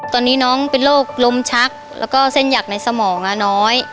ตอนนี้น้องเป็นโรคลมชักแล้วก็เส้นหยักในสมองน้อย